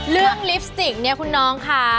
ลิปสติกเนี่ยคุณน้องค่ะ